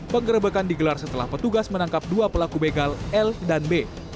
penggerebekan digelar setelah petugas menangkap dua pelaku begal l dan b